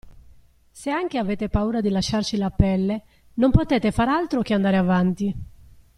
Se anche avete paura di lasciarci la pelle, non potete far altro che andare avanti.